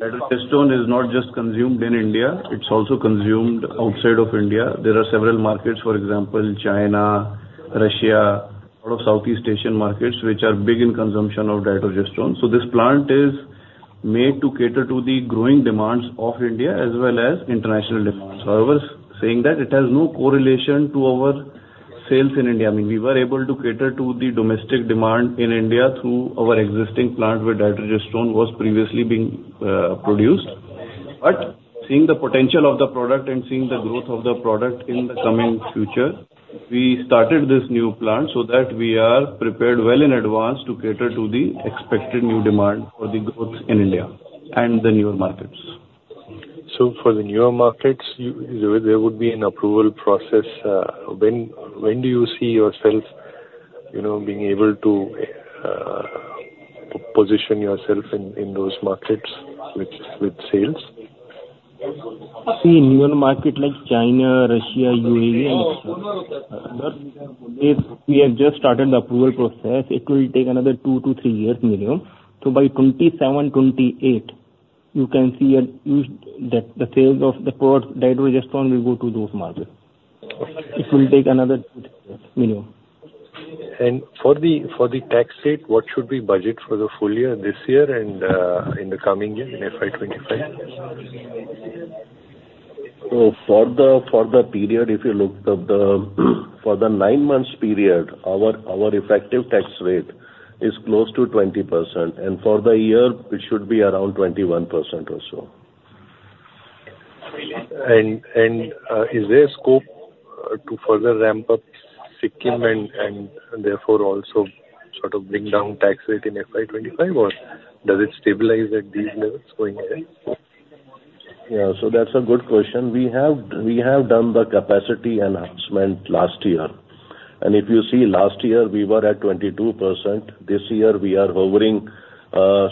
Dydrogesterone is not just consumed in India, it's also consumed outside of India. There are several markets, for example, China, Russia, a lot of Southeast Asian markets, which are big in consumption of dydrogesterone. So this plant is made to cater to the growing demands of India as well as international demands. However, saying that, it has no correlation to our sales in India. I mean, we were able to cater to the domestic demand in India through our existing plant, where dydrogesterone was previously being produced. Seeing the potential of the product and seeing the growth of the product in the coming future, we started this new plant so that we are prepared well in advance to cater to the expected new demand for the growth in India and the newer markets. So for the newer markets, there would be an approval process. When do you see yourself, you know, being able to position yourself in those markets with sales? See, in new market like China, Russia, UAE, and other, we have just started the approval process. It will take another 2-3 years minimum. So by 2027, 2028, you can see that the sales of the product, dydrogesterone, will go to those markets. It will take another minimum. For the tax rate, what should we budget for the full year, this year and in the coming year, in FY 2025? So for the period, if you look at the nine months period, our effective tax rate is close to 20%, and for the year, it should be around 21% or so. Is there a scope to further ramp up Sikkim and therefore also sort of bring down tax rate in FY 25, or does it stabilize at these levels going ahead? Yeah, so that's a good question. We have, we have done the capacity enhancement last year. And if you see, last year, we were at 22%. This year, we are hovering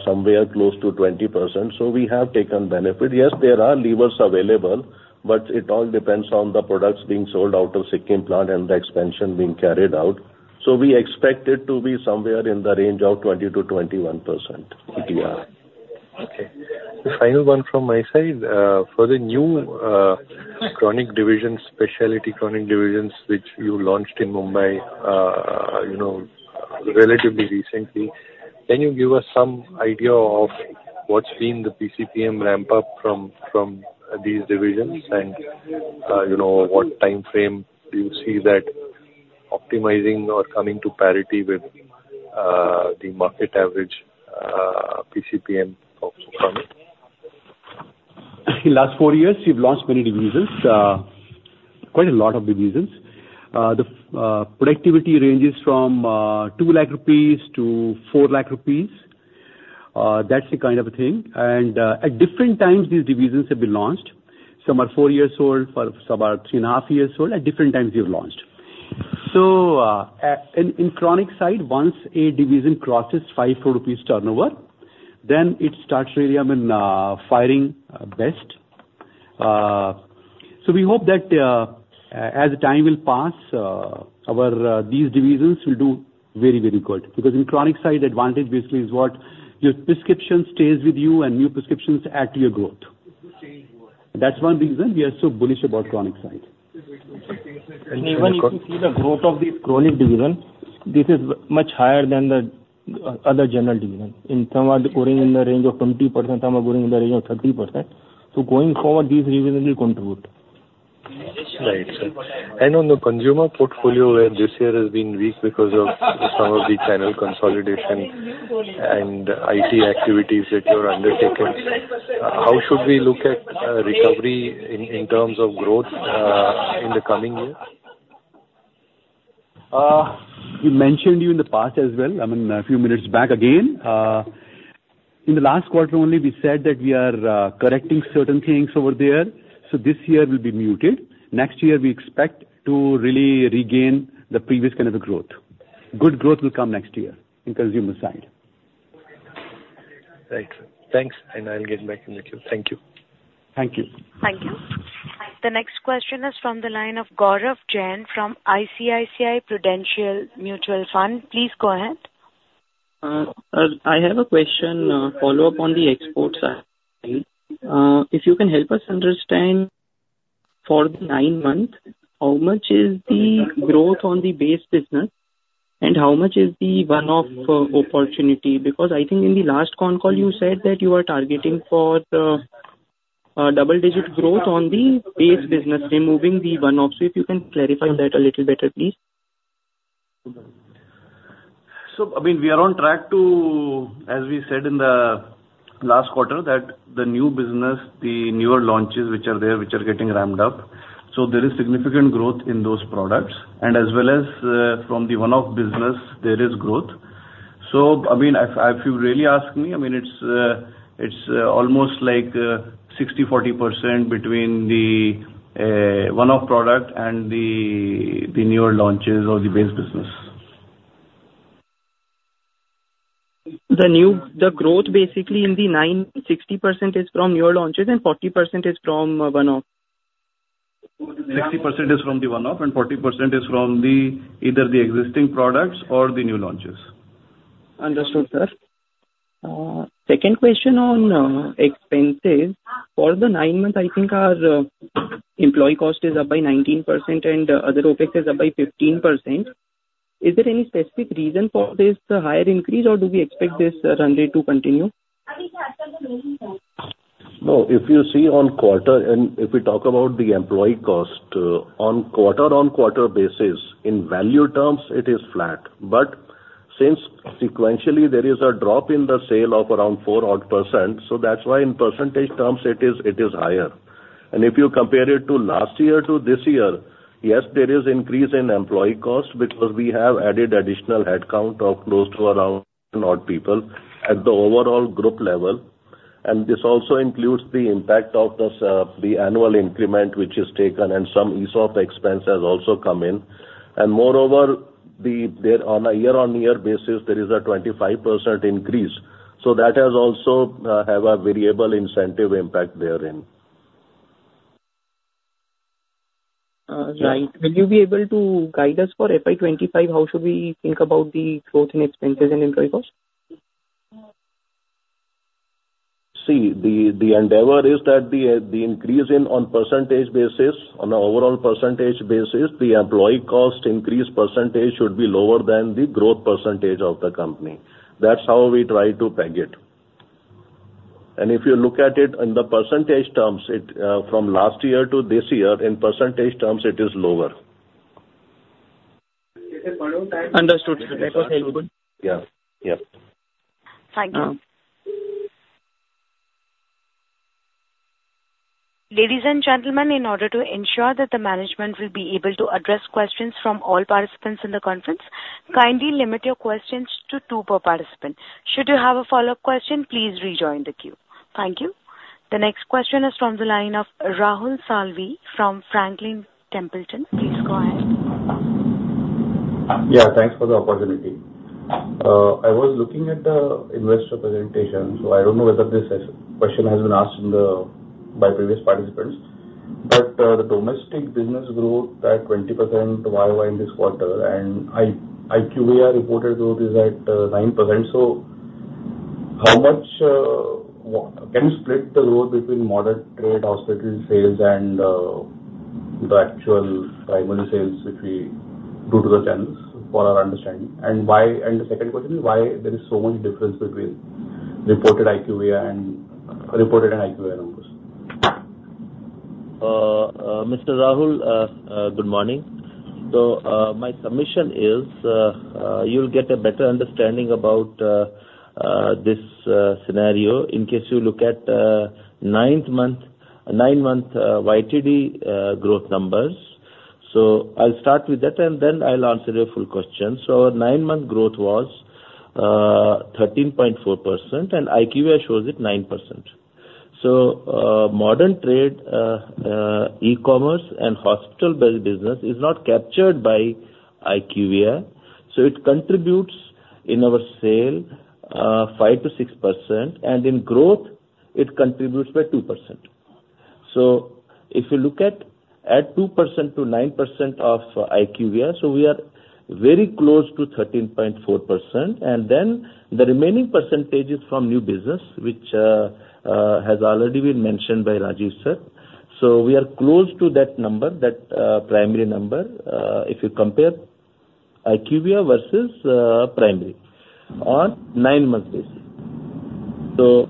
somewhere close to 20%. So we have taken benefit. Yes, there are levers available, but it all depends on the products being sold out of Sikkim plant and the expansion being carried out. So we expect it to be somewhere in the range of 20%-21% EBITDA. Okay. The final one from my side. For the new chronic division, specialty chronic divisions, which you launched in Mumbai, you know, relatively recently, can you give us some idea of what's been the PCPM ramp-up from, from these divisions? And, you know, what timeframe do you see that optimizing or coming to parity with the market average PCPM of chronic? In the last four years, we've launched many divisions, quite a lot of divisions. The productivity ranges from 2 lakh-4 lakh rupees. That's the kind of a thing. At different times, these divisions have been launched. Some are four years old, some are three and a half years old, at different times we have launched. So, in chronic side, once a division crosses 5 crore rupees turnover, then it starts really, I mean, firing best. So we hope that, as time will pass, our these divisions will do very, very good. Because in chronic side, advantage basically is what, your prescription stays with you, and new prescriptions add to your growth. That's one reason we are so bullish about chronic side. And even- If you see the growth of the chronic division, this is much higher than the other general division. And some are growing in the range of 20%, some are growing in the range of 30%. So going forward, these divisions will contribute. Right. On the consumer portfolio, where this year has been weak because of some of the channel consolidation and IT activities that you have undertaken, how should we look at recovery in terms of growth in the coming years? We mentioned you in the past as well, I mean, a few minutes back again. In the last quarter only, we said that we are correcting certain things over there, so this year will be muted. Next year, we expect to really regain the previous kind of a growth. ...Good growth will come next year in consumer side. Right. Thanks, and I'll get back in the queue. Thank you. Thank you. Thank you. The next question is from the line of Gaurav Jain from ICICI Prudential Mutual Fund. Please go ahead. I have a question, follow-up on the export side. If you can help us understand for the nine months, how much is the growth on the base business, and how much is the one-off opportunity? Because I think in the last con call, you said that you are targeting for the double digit growth on the base business, removing the one-offs. If you can clarify that a little better, please. So I mean, we are on track to, as we said in the last quarter, that the new business, the newer launches which are there, which are getting ramped up, so there is significant growth in those products, and as well as, from the one-off business, there is growth. So I mean, if, if you really ask me, I mean, it's, it's, almost like, 60/40 between the, one-off product and the, the newer launches or the base business. The growth basically in the 90% is from newer launches and 40% is from one-off? 60% is from the one-off, and 40% is from either the existing products or the new launches. Understood, sir. Second question on expenses. For the nine months, I think our employee cost is up by 19% and other OpEx is up by 15%. Is there any specific reason for this higher increase, or do we expect this trend to continue? No, if you see on quarter, and if we talk about the employee cost, on quarter-on-quarter basis, in value terms it is flat. But since sequentially there is a drop in the sale of around 4 odd%, so that's why in percentage terms, it is higher. And if you compare it to last year to this year, yes, there is increase in employee cost because we have added additional headcount of close to around odd people at the overall group level. And this also includes the impact of the, the annual increment, which is taken, and some ESOP expense has also come in. And moreover, the, there on a year-on-year basis, there is a 25% increase, so that has also, have a variable incentive impact therein. Right. Will you be able to guide us for FY 25? How should we think about the growth in expenses and employee costs? See, the endeavor is that the increase, on percentage basis, on a overall percentage basis, the employee cost increase percentage should be lower than the growth percentage of the company. That's how we try to peg it. And if you look at it in the percentage terms, it, from last year to this year, in percentage terms, it is lower. Understood, sir. That was helpful. Yeah. Yep. Thank you. Uh. Ladies and gentlemen, in order to ensure that the management will be able to address questions from all participants in the conference, kindly limit your questions to two per participant. Should you have a follow-up question, please rejoin the queue. Thank you. The next question is from the line of Rahul Salvi from Franklin Templeton. Please go ahead. Yeah, thanks for the opportunity. I was looking at the investor presentation, so I don't know whether this question has been asked in the... by previous participants. But, the domestic business growth at 20% YoY in this quarter, and IQVIA reported growth is at 9%. So how much can you split the growth between modern trade, hospital sales and the actual primary sales, which we go to the channels for our understanding? And the second question is, why there is so much difference between reported and IQVIA numbers? Mr. Rahul, good morning. So, my submission is, you'll get a better understanding about this scenario in case you look at ninth month, nine-month YTD growth numbers. So I'll start with that, and then I'll answer your full question. So nine-month growth was 13.4%, and IQVIA shows it 9%. So, modern trade, e-commerce and hospital-based business is not captured by IQVIA, so it contributes in our sale 5%-6%, and in growth it contributes by 2%. So if you look at 2% to 9% of IQVIA, so we are very close to 13.4%. And then, the remaining percentage is from new business, which has already been mentioned by Rajeev, sir. So we are close to that number, that primary number, if you compare IQVIA versus primary on nine-month basis. So,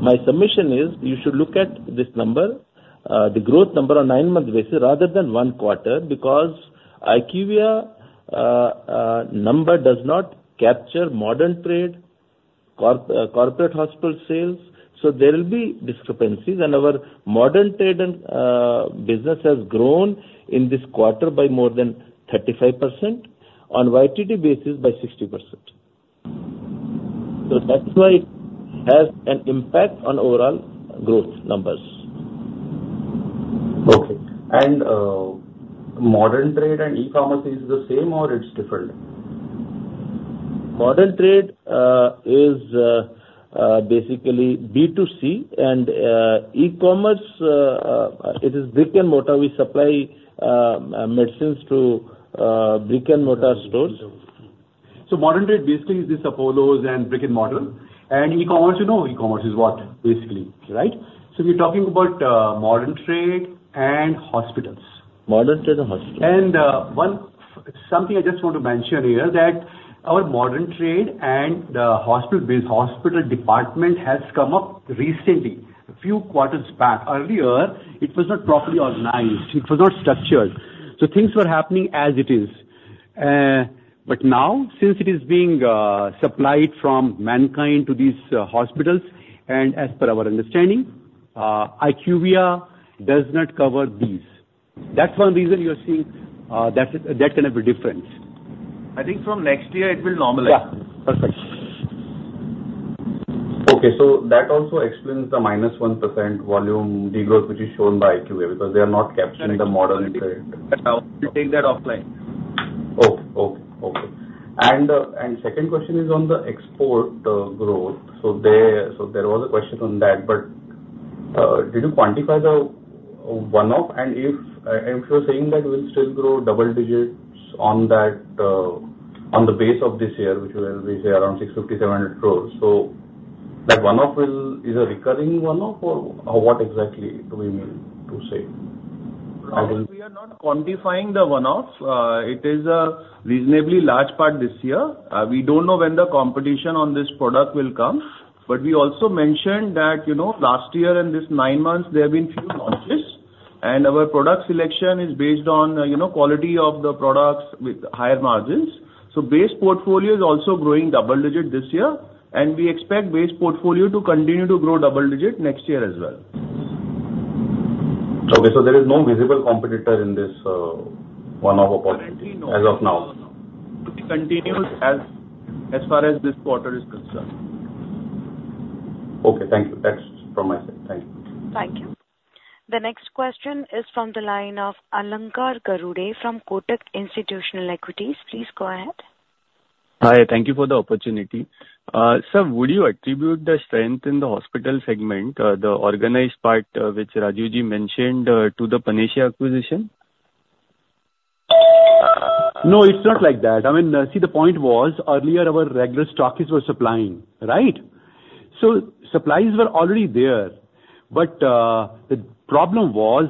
my submission is, you should look at this number, the growth number on nine-month basis, rather than one quarter, because IQVIA number does not capture modern trade, corporate hospital sales, so there will be discrepancies. And our modern trade and business has grown in this quarter by more than 35%, on YTD basis by 60%. So that's why it has an impact on overall growth numbers.... Okay. And, modern trade and e-commerce is the same or it's different? Modern trade is basically B2C, and e-commerce, it is brick-and-mortar. We supply medicines to brick-and-mortar stores. So modern trade basically is this Apollos and brick-and-mortar, and e-commerce, you know e-commerce is what, basically, right? So we're talking about modern trade and hospitals. Modern trade and hospitals. One thing I just want to mention here, that our modern trade and the hospital-based hospital department has come up recently, a few quarters back. Earlier, it was not properly organized, it was not structured, so things were happening as it is. But now, since it is being supplied from Mankind to these hospitals, and as per our understanding, IQVIA does not cover these. That's one reason you're seeing that kind of a difference. I think from next year it will normalize. Yeah. Perfect. Okay, so that also explains the -1% volume de-growth which is shown by IQVIA, because they are not capturing the modern trade. We'll take that offline. Oh, oh, okay. And second question is on the export growth. So there was a question on that, but did you quantify the one-off? And if you're saying that we'll still grow double digits on that, on the base of this year, which will be say around 650-700 crore, so that one-off will... Is a recurring one-off or what exactly do we mean to say? We are not quantifying the one-off. It is a reasonably large part this year. We don't know when the competition on this product will come, but we also mentioned that, you know, last year in this nine months there have been few launches, and our product selection is based on, you know, quality of the products with higher margins. So base portfolio is also growing double digit this year, and we expect base portfolio to continue to grow double digit next year as well. Okay, so there is no visible competitor in this one-off opportunity. Currently, no. As of now? It continues as, as far as this quarter is concerned. Okay, thank you. That's from my side. Thank you. Thank you. The next question is from the line of Alankar Garude from Kotak Institutional Equities. Please go ahead. Hi, thank you for the opportunity. Sir, would you attribute the strength in the hospital segment, the organized part, which Rajeevji mentioned, to the Panacea acquisition? No, it's not like that. I mean, see, the point was, earlier our regular stockists were supplying, right? So supplies were already there, but the problem was,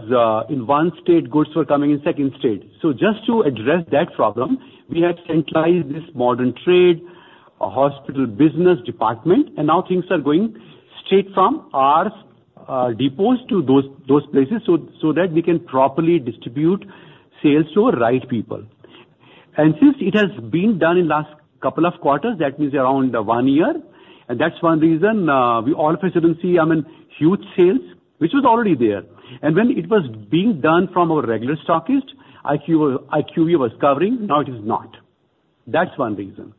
in one state, goods were coming in second state. So just to address that problem, we had centralized this modern trade, a hospital business department, and now things are going straight from our depots to those places, so that we can properly distribute sales to right people. And since it has been done in last couple of quarters, that means around one year, and that's one reason we all of a sudden see, I mean, huge sales, which was already there. And when it was being done from our regular stockist, IQVIA was covering, now it is not. That's one reason.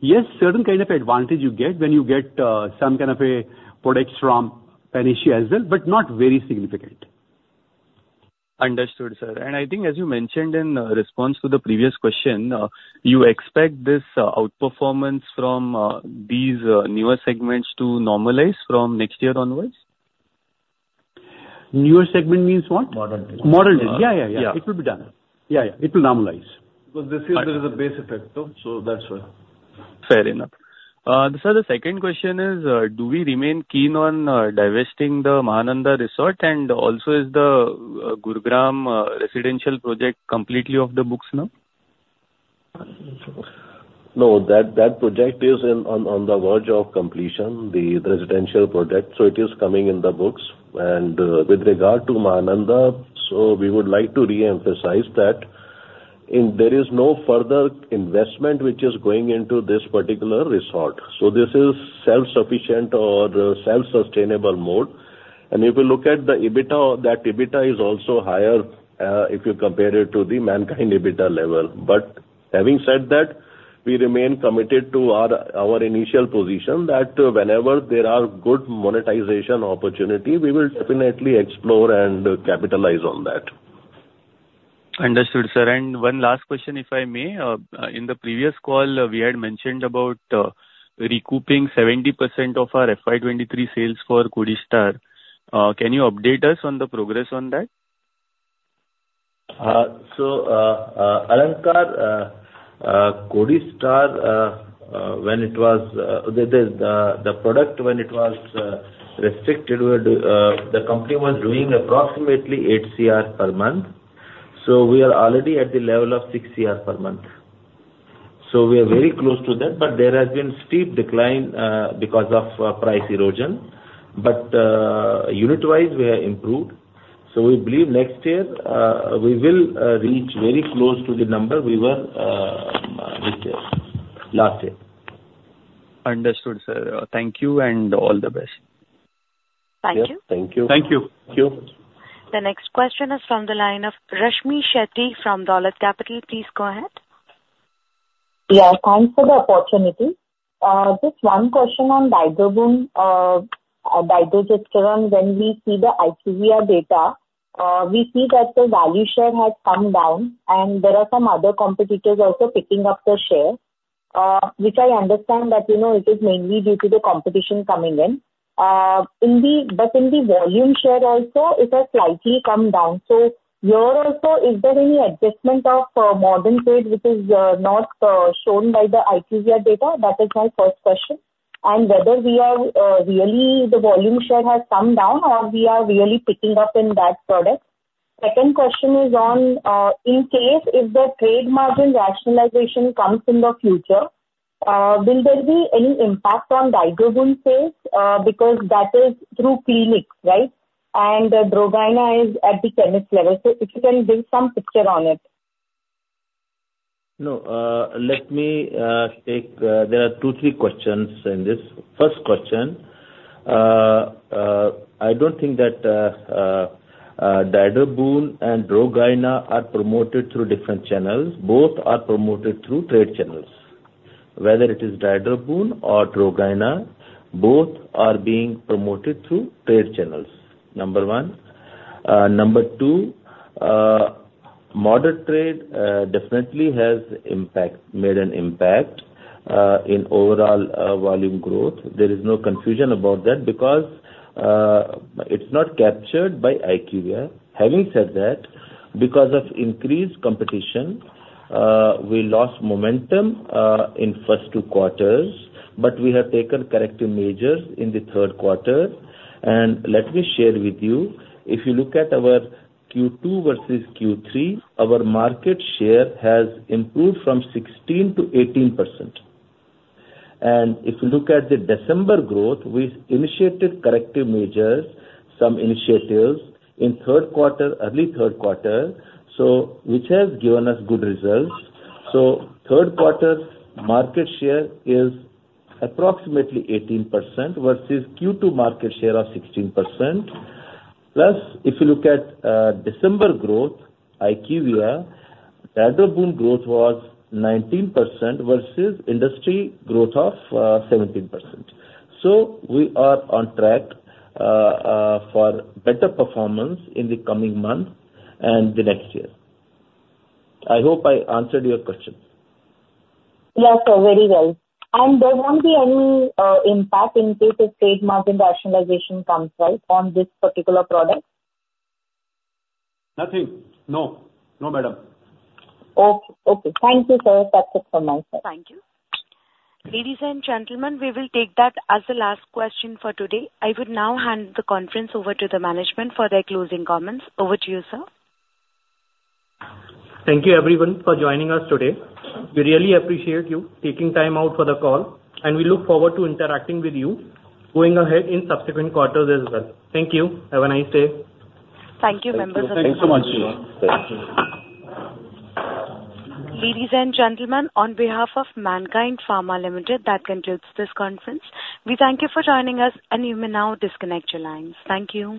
Yes, certain kind of advantage you get when you get some kind of a products from Panacea as well, but not very significant. Understood, sir. I think as you mentioned in response to the previous question, you expect this outperformance from these newer segments to normalize from next year onwards? Newer segment means what? Modern trade. Modern trade. Yeah, yeah, yeah. Yeah. It will be done. Yeah, yeah, it will normalize. Because this year there is a base effect though, so that's why. Fair enough. Sir, the second question is, do we remain keen on divesting the Mahananda Resort? And also is the Gurugram residential project completely off the books now? No, that project is on the verge of completion, the residential project, so it is coming in the books. And with regard to Mahananda, so we would like to reemphasize that there is no further investment which is going into this particular resort. So this is self-sufficient or self-sustainable mode. And if you look at the EBITDA, that EBITDA is also higher, if you compare it to the Mankind EBITDA level. But having said that, we remain committed to our initial position, that whenever there are good monetization opportunities, we will definitely explore and capitalize on that. Understood, sir. One last question, if I may. In the previous call, we had mentioned about recouping 70% of our FY 2023 sales for Codistar. Can you update us on the progress on that? So, Alankar, Codistar, when it was restricted, the product when it was restricted, the company was doing approximately 8 crore per month, so we are already at the level of 6 crore per month. So we are very close to that, but there has been steep decline because of price erosion. But unit-wise, we have improved. So we believe next year we will reach very close to the number we were with last year. Understood, sir. Thank you, and all the best. Thank you. Thank you. Thank you. Thank you. The next question is from the line of Rashmi Shetty from Dolat Capital. Please go ahead.... Yeah, thanks for the opportunity. Just one question on Dydroboon, dydrogesterone. When we see the IQVIA data, we see that the value share has come down, and there are some other competitors also picking up the share, which I understand that, you know, it is mainly due to the competition coming in. But in the volume share also, it has slightly come down. So here also, is there any adjustment of modern trade which is not shown by the IQVIA data? That is my first question. And whether we are really the volume share has come down, or we are really picking up in that product. Second question is on, in case if the trade margin rationalization comes in the future, will there be any impact on Dydroboon sales? Because that is through clinics, right? Dydroboon is at the chemist level. If you can give some picture on it? No, let me take. There are two, three questions in this. First question, I don't think that Dydroboon and Drogyna are promoted through different channels. Both are promoted through trade channels. Whether it is Dydroboon or Drogyna, both are being promoted through trade channels, number one. Number two, modern trade definitely has impact, made an impact, in overall volume growth. There is no confusion about that, because it's not captured by IQVIA. Having said that, because of increased competition, we lost momentum in first two quarters, but we have taken corrective measures in the third quarter. And let me share with you, if you look at our Q2 versus Q3, our market share has improved from 16%-18%. If you look at the December growth, we've initiated corrective measures, some initiatives in third quarter, early third quarter, so which has given us good results. Third quarter's market share is approximately 18% versus Q2 market share of 16%. Plus, if you look at December growth, IQVIA, Dydroboon growth was 19% versus industry growth of 17%. We are on track for better performance in the coming months and the next year. I hope I answered your questions. Yes, sir, very well. And there won't be any impact in case if trade margin rationalization comes, right, on this particular product? Nothing. No. No, madam. Okay, okay. Thank you, sir. That's it from my side. Thank you. Ladies and gentlemen, we will take that as the last question for today. I would now hand the conference over to the management for their closing comments. Over to you, sir. Thank you everyone for joining us today. We really appreciate you taking time out for the call, and we look forward to interacting with you going ahead in subsequent quarters as well. Thank you. Have a nice day. Thank you, members of the- Thank you so much. Ladies and gentlemen, on behalf of Mankind Pharma Limited, that concludes this conference. We thank you for joining us, and you may now disconnect your lines. Thank you.